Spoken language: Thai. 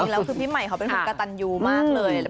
แล้วคือพี่ใหม่เขาเป็นคนกระตันยูมากเลย